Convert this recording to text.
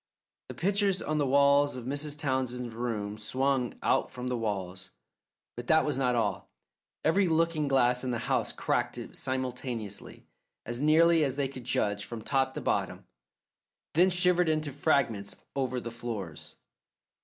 The pictures on the walls of Mrs. Townsend's room swung out from the walls. But that was not all: every looking glass in the house cracked simultaneously as nearly as they could judge from top to bottom, then shivered into fragments over the floors.